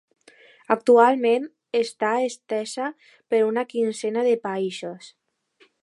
Actualment, està estesa per una quinzena de països.